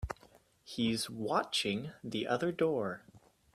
He's watching the other door.